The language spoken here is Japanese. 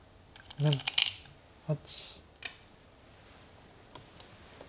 ７８。